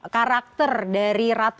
karakter dari ratu